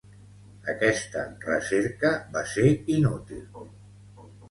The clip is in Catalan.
Aquesta recerca va ser inútil.